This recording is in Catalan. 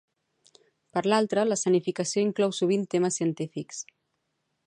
Per l'altra, l'escenificació inclou sovint temes científics.